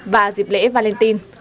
và dịp lễ valentine